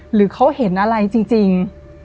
หรือเขาเห็นอะไรจริง